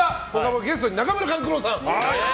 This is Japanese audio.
ゲストに中村勘九郎さん。